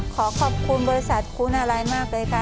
ขอขอบคุณบริษัทครูนาลัยมากเลยค่ะ